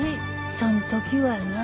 そんときはな